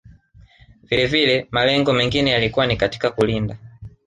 Vilevile malengo mengine yalikuwa ni katika kulinda